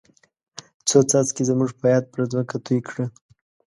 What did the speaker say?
څو څاڅکي زموږ په یاد پر ځمکه توی کړه.